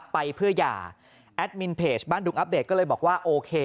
ไปเพื่อหย่าแอดมินเพจบ้านดุงอัปเดตก็เลยบอกว่าโอเค